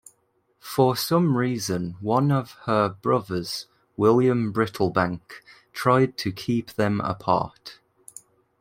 For some reason one of her brothers, William Brittlebank, tried to keep them apart.